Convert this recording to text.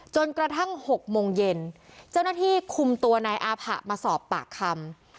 จนกระทั่ง๖โมงเย็นเจ้าหน้าที่คุมตัวนายอาผะมาสอบปากคำ